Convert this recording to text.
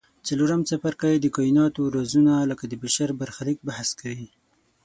څلورم څپرکی د کایناتو رازونه لکه د بشر برخلیک بحث کوي.